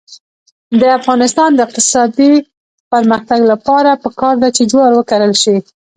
د افغانستان د اقتصادي پرمختګ لپاره پکار ده چې جوار وکرل شي.